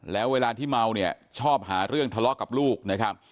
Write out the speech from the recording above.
แล้วเวลาที่เมาเนี่ยชอบหาเรื่องทะเลาะกับลูกนะครับ